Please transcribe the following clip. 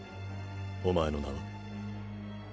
お前の名は？